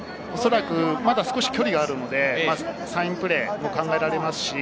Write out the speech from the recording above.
まだ少し距離があるので、サインプレーが考えられます。